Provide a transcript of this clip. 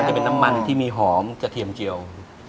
มันจะเป็นน้ำมันที่มีหอมเจ้าเกลียว